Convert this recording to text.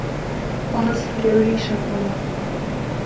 بازی دهوری شهتهڵه